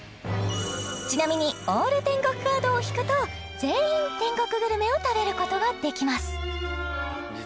ちなみにＡＬＬ天国カードを引くと全員天国グルメを食べることができますお！